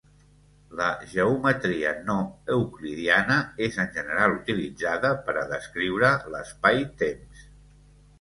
La geometria no euclidiana és en general utilitzada per a descriure l'espaitemps.